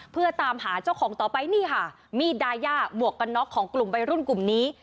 เพื่อตามหาเจ้าของต่อไปนี่ค่ะมีดดายาหมวกกันน็อกของกลุ่มวัยรุ่นกลุ่มนี้